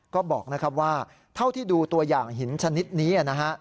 ก็บอกนะครับว่าเท่าที่ดูตัวอย่างหินชนิดนี้นะฮะ